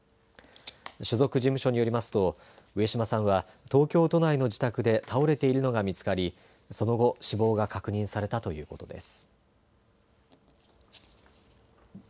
所属事務所によりますと上島さんは東京都内の自宅で倒れているのが見つかりその後、死亡が確認されたということです。